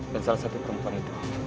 dan salah satu perempuan itu